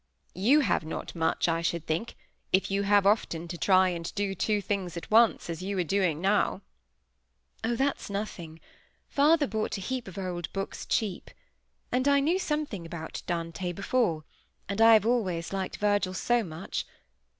"You have not much, I should think, if you have often to try and do two things at once, as you are doing now. "Oh! that's nothing! Father bought a heap of old books cheap. And I knew something about Dante before; and I have always liked Virgil so much.